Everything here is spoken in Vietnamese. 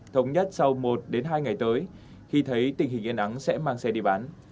thống nhất sau một hai ngày tới khi thấy tình hình yên ắng sẽ mang xe đi bán